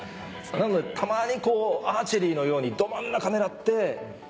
なのでたまにアーチェリーのようにど真ん中狙って。